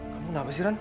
kamu kenapa sih ran